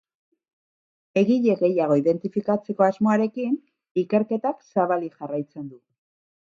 Egile gehiago identifikatzeko asmoarekin ikerketak zabalik jarraitzen du.